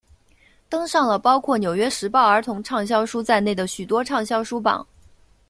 登上了包括纽约时报儿童畅销书在内的许多畅销书榜。